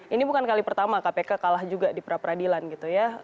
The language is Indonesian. ini bukan kali pertama kpk kalah juga di pra peradilan gitu ya